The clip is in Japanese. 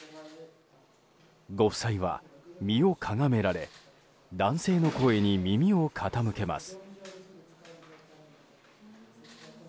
ご夫妻は身をかがめられ男性の声に耳を傾けます。